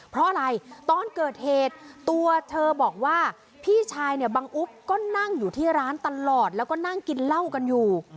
เพราะอะไรตอนเกิดเหตุตัวเธอบอกว่าพี่ชายเนี่ยบังอุ๊บก็นั่งอยู่ที่ร้านตลอดแล้วก็นั่งกินเหล้ากันอยู่